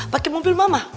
pakai mobil mama